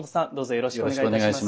よろしくお願いします。